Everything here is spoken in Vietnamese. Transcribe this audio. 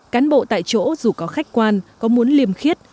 cán bộ tại chỗ dù có khách quan có muốn liềm khiết